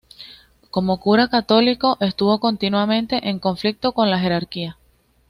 Como cura católico, estuvo continuamente en conflicto con la jerarquía.